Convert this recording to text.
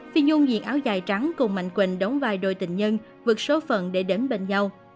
phi dung diện áo dài trắng cùng mạnh quỳnh đóng vai đôi tình nhân vượt số phận để đến bên nhau